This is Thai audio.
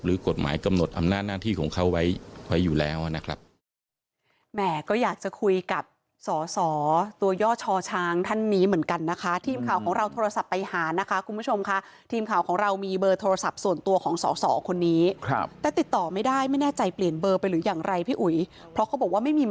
กฎหมายกำหนดอำนาจหน้าที่ของเขาไว้อยู่แล้วนะครับ